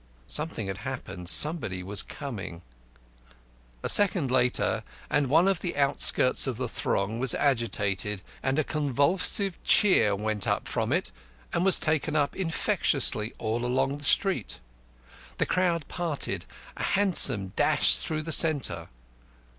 Something had happened. Somebody was coming. A second later and one of the outskirts of the throng was agitated, and a convulsive cheer went up from it, and was taken up infectiously all along the street. The crowd parted a hansom dashed through the centre.